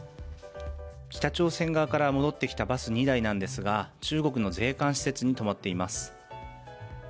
北朝鮮側から戻ってきたバス２台なんですが中国の税関施設に止まっています。